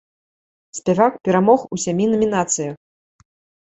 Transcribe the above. Спявак перамог у сямі намінацыях.